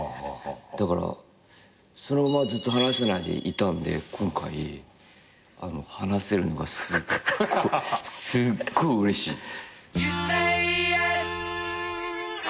だからそのままずっと話せないでいたんで今回話せるのがすごいうれしい。